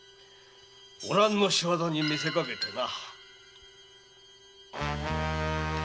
お蘭の仕業に見せかけてな。